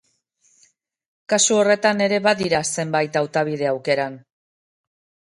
Kasu horretan ere badira zenbait hautabide aukeran.